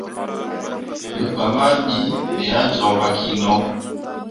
Reba ma ɓii me ah joŋ fah kino.